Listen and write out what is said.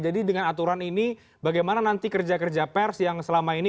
jadi dengan aturan ini bagaimana nanti kerja kerja pers yang selama ini